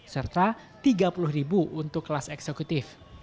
serta rp tiga puluh untuk kelas eksekutif